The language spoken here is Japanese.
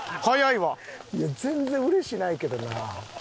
いや全然嬉しないけどな。